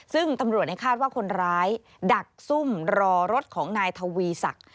ซึ่งตำรวจในคาดว่าคนร้ายดักซุ่มรอรถของนายทวีศักดิ์